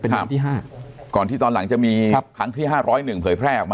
เป็นครั้งที่๕ก่อนที่ตอนหลังจะมีครั้งที่ห้าร้อยหนึ่งเผยแพร่ออกมา